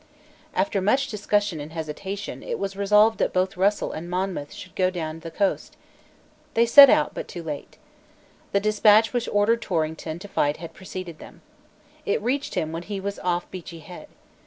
After much discussion and hesitation, it was resolved that both Russell and Monmouth should go down to the coast, They set out, but too late. The despatch which ordered Torrington to fight had preceded them. It reached him when he was off Beachy Head.